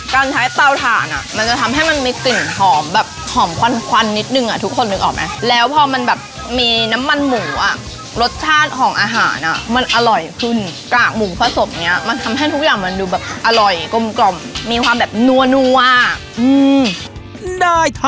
ไข่เยี่ยวมากกระเพรากรอบพร้อมกับกากหมูจุกแบบนี้นะคะ